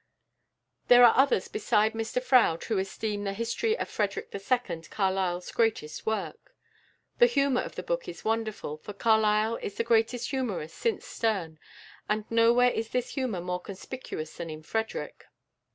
There are others beside Mr Froude who esteem the "History of Frederick II." Carlyle's greatest work. The humour of the book is wonderful, for Carlyle is the greatest humorist since Sterne, and nowhere is this humour more conspicuous than in "Frederick."